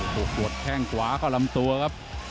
ปวดแข้งขวาก็ลำตัวครับ